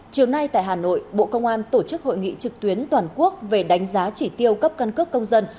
chiều nay tại hà nội bộ công an tổ chức hội nghị trực tuyến toàn quốc về đánh giá chỉ tiêu cấp căn cước công dân